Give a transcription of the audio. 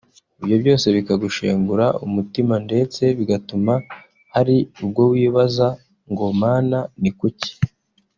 ibyo byose bikagushengura umutima ndetse bigatuma hari ubwo wibaza ngo “Mana ni kuki